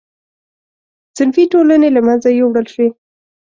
صنفي ټولنې له منځه یووړل شوې.